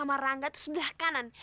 sama rangga itu sebelah kanan